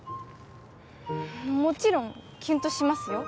もちろんキュンとしますよ